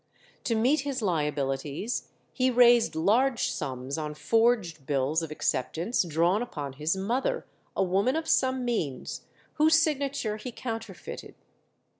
To meet his liabilities, he raised large sums on forged bills of acceptance drawn upon his mother, a woman of some means, whose signature he counterfeited.